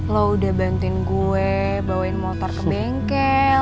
lo udah bantuin gue bawain motor ke bengkel